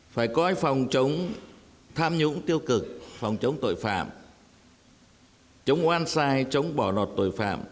phải coi phòng chống tham nhũng tiêu cực phòng chống tội phạm chống oan sai chống bỏ lọt tội phạm